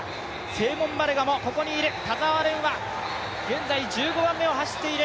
セレモン・バレガもここにいる、田澤廉は現在１５番目を走っている。